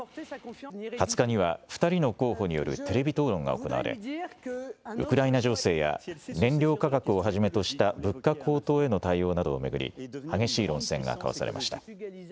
２０日には２人の候補によるテレビ討論が行われウクライナ情勢や燃料価格をはじめとした物価高騰への対応などを巡り激しい論戦が交わされました。